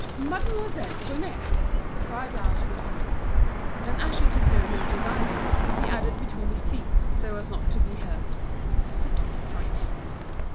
"Mademoiselle Prunaire!" cried out Hutin. And as she took no notice either, he added between his teeth, so as not to be heard: "A set of frights!"